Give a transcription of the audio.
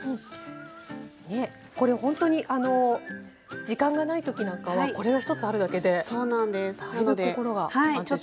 これ本当に時間がない時なんかはこれが１つあるだけでだいぶ心が安定します。